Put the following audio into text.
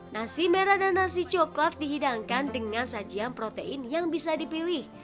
nasi merah dan nasi coklat dihidangkan dengan sajian protein yang bisa dipilih